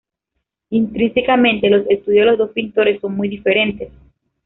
Intrínsecamente los estilos de los dos pintores son muy diferentes.